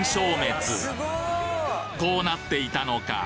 こうなっていたのか！